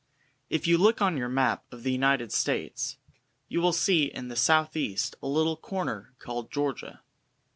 IF you look on your map of the United States, you will see in the south east, a little corner called Georgia.